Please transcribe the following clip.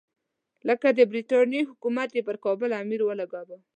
لکه د برټانیې حکومت چې پر کابل امیر ولګول.